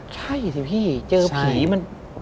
ใช่สิพี่เจอผีมัน